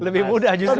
lebih mudah justru